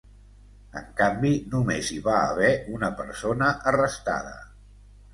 En canvi, només hi va haver una persona arrestada.